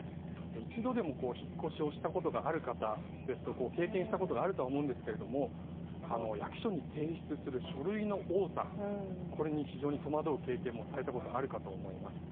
一度でも引っ越しをしたことがある方は経験したことがあると思うんですが役所に提出する書類の多さこれに非常に戸惑う経験もされたことがあると思います。